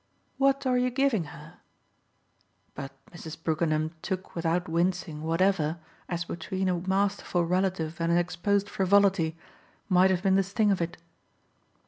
"What are you giving her?" But Mrs. Brookenham took without wincing whatever, as between a masterful relative and an exposed frivolity, might have been the sting of it.